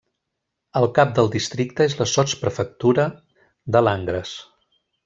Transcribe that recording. El cap del districte és la sotsprefectura de Langres.